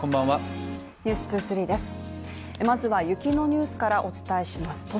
まずは雪のニュースからお伝えします。